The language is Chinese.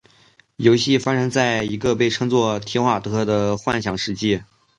游戏发生在一个被称作「提瓦特」的幻想世界。